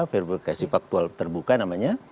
verifikasi faktual terbuka namanya